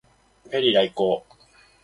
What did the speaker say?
ペリー来航